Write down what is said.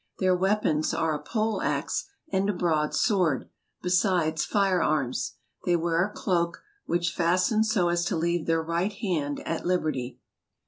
Their weapons are a pole axe, and a broad sword, besides fire¬ arms. They wear a cloak, which fastens so as to leave their right hand at liberty.